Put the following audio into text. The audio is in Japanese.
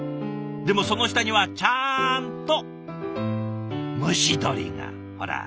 でもその下にはちゃんと蒸し鶏がほら。